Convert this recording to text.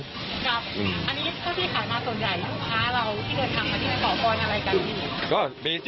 อันนี้พวกที่ขายมาส่วนใหญ่ลูกค้าเราที่จะทำที่จะขอพรอะไรกันดี